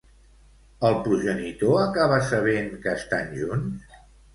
El progenitor acaba sabent que estan junts?